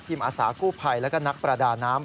อาสากู้ภัยแล้วก็นักประดาน้ำ